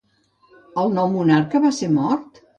El nou monarca va ser mort?